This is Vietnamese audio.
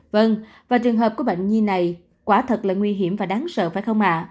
vâng và trường hợp của bệnh nhi này quả thật là nguy hiểm và đáng sợ phải không ạ